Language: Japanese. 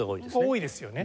多いですよね。